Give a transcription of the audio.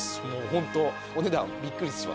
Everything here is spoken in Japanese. ホントお値段びっくりします。